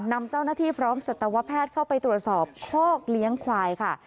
นำเจ้าหน้าที่พร้อมสัตวแพทย์เข้าไปตรวจสอบคอกเลี้ยงควายค่ะ